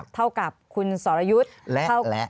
เท่ากับคุณสอรยุทธ์